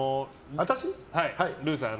ルーさん。